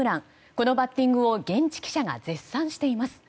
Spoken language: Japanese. このバッティングを現地記者が絶賛しています。